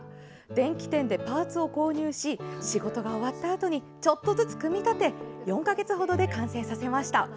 電気店でパーツを購入し仕事が終わったあとにちょっとずつ組み立て４か月ほどで完成させました。